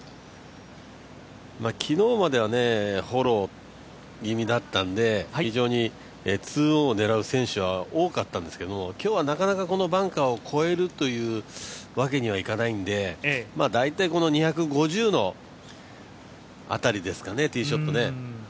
昨日までは、フォロー気味だったんで非常に２オンを狙う選手が多かったんですけど今日はなかなかこのバンカーを越えるわけにはいかないんで大体２５０の辺りですかね、ティーショット。